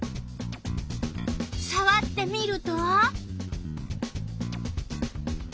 さわってみると。